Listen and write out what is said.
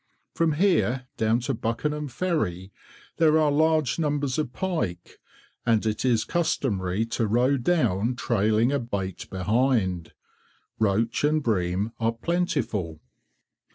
From here down to Buckenham Ferry there are large numbers of pike, and it is customary to row down trailing a bait behind. Roach and bream are plentiful.